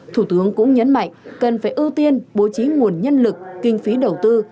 thủ tướng cũng nhấn mạnh cần phải ưu tiên bố trí nguồn nhân lực kinh phí đầu tư